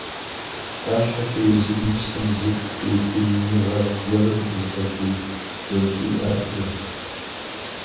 Арщхьэкӏэ езым и псэм зы пӏейтеиныгъэ гуэрым зыкъыщызэщӏиӏэтэрт.